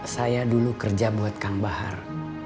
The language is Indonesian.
saya dulu kerja buat kang bahar